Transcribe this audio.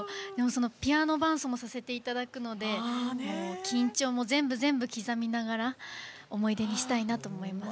ピアノ伴奏もさせていただくので緊張も全部、刻みながら思い出にしたいなと思います。